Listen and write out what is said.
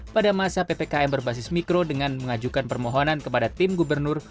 pada masa ppkm berbasis mikro dengan mengajukan permohonan kepada tim gubernur